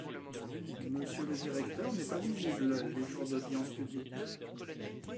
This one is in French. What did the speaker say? Monsieur le directeur n’est pas visible les jours d’audience publique.